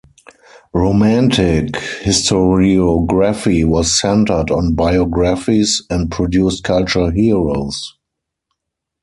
Romantic historiography was centered on biographies and produced culture heroes.